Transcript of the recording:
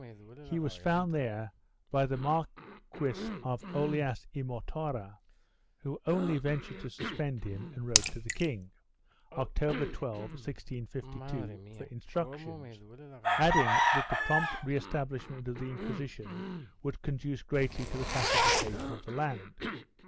He was found there by the Marquis of Olias y Mortara, who only ventured to suspend him and wrote to the king, October 12, 1652, for instructions, adding that the prompt re establishment of the Inquisition would con duce greatly to the pacification of the land.